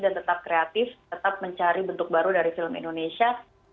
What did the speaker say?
dan tetap kreatif tetap mencari bentuk baru dari film indonesia